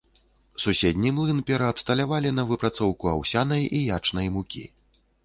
Суседні млын пераабсталявалі на выпрацоўку аўсянай і ячнай мукі.